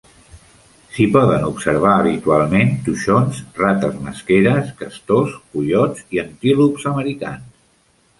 S'hi poden observar habitualment toixons, rates mesqueres, castors, coiots i antílops americans.